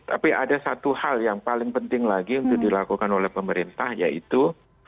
tapi ada satu hal yang paling penting lagi untuk dilakukan oleh pemerintah yaitu